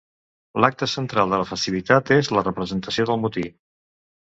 L’acte central de la festivitat és la representació del motí.